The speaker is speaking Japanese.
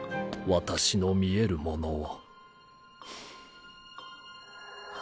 私の見えるものを